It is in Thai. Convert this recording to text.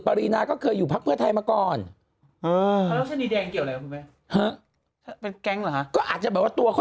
ไปก็เคยอยู่ภาคเฟือไทยมาก่อนหน้าเดี๋ยวอะไรอะไรก็อาจจะบอกว่าท่อง